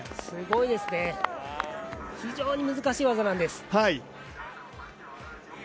すごいですね非常に難しい技なんです。